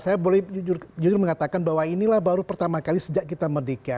saya boleh jujur mengatakan bahwa inilah baru pertama kali sejak kita merdeka